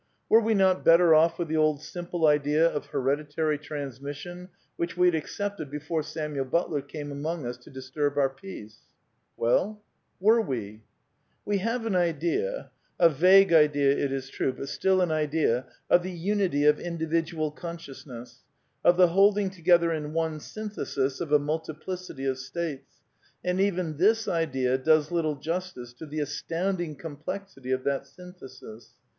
Were we not better off wili the old simple idea of hereditary transmission which we had accepted before Samuel Butler came among us to dis^ turb our peace ? Well — were we ? We have an idea, a vague idea, it is true, but still an idea of the unity of individual consciousness, of the hold ■ ing together in one synthesis of a multiplicity of states, i and even this idea does little justice to the astounding^ complexity of that synthesis.